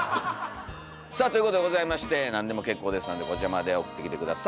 さあということでございまして何でも結構ですのでこちらまで送ってきて下さい。